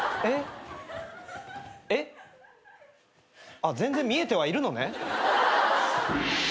あっ全然見えてはいるのね。